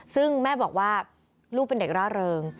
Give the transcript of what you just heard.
ซึ่งแม่บอกว่าลูกเป็นเด็กร่าเริง